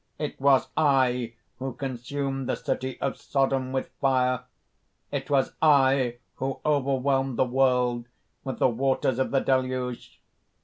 "It was I who consumed the city of Sodom with fire! It was I who overwhelmed the world with the waters of the Deluge!